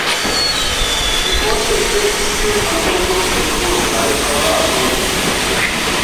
Li poste ripetis tiun alvokon en postaj paroladoj.